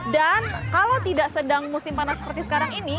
dan kalau tidak sedang musim panas seperti sekarang ini